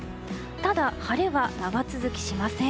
ただ、晴れは長続きしません。